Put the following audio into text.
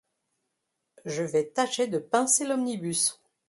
Je vais tâcher de pincer l'omnibus.